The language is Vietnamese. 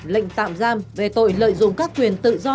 lệnh tạm giam về tội lợi dụng các quyền tự do